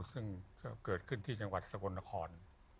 ซึ่งก็เกิดขึ้นที่จังหวัดสกลนคร